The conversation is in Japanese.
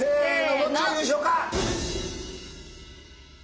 どっちが優勝か？